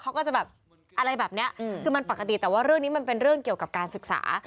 เขาก็จะแบบอะไรแบบนี้คือมันปกติแต่ว่าเรื่องนี้มันเป็นเรื่องเกี่ยวกับการศึกษา